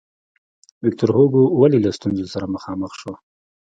ویکتور هوګو ولې له ستونزو سره مخامخ شو.